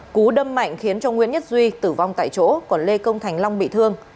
cú đâm mạnh khiến cho nguyễn nhất duy tử vong tại chỗ còn lê công thành long bị thương